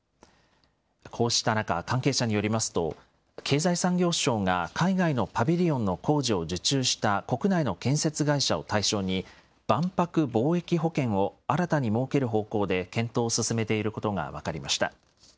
こうした中、関係者によりますと、経済産業省が海外のパビリオンの工事を受注した国内の建設会社を対象に、万博貿易保険を新たに設ける方向で検討を進めていることが分かりました。